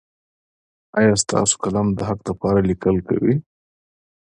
ایا ستاسو قلم د حق لپاره لیکل کوي؟